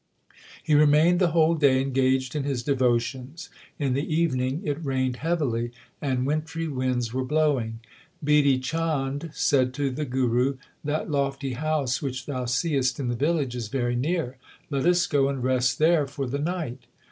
He remained the whole day engaged in his devotions. In the evening it rained heavily and wintry winds were blowing. Bidhi Chand said to the Guru : That lofty house which thou seest in the village is very near. Let us go and rest there for the night.